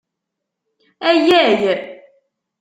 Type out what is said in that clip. Ayay!